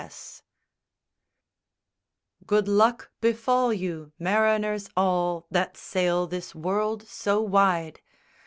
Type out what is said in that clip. SONG I _Good luck befall you, mariners all That sail this world so wide!